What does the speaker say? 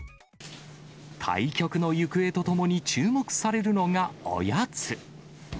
対局の行方とともに注目されるのがおやつ。